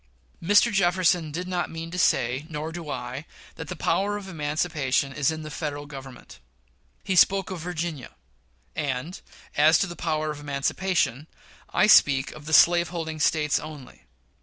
Mr. Jefferson did not mean to say, nor do I, that the power of emancipation is in the Federal Government. He spoke of Virginia; and, as to the power of emancipation, I speak of the slave holding States only.